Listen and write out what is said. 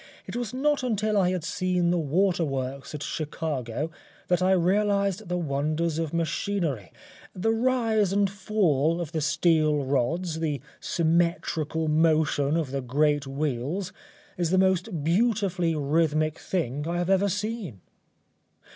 It was not until I had seen the water works at Chicago that I realised the wonders of machinery; the rise and fall of the steel rods, the symmetrical motion of the great wheels is the most beautifully rhythmic thing I have ever seen.